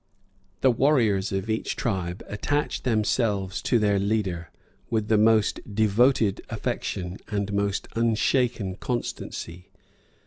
The warriors of each tribe attached themselves to the[possibly this word is their] leader, with the most devoted affection and most unshaken constancy.